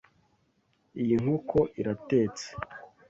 Iyi nkoko iratetse.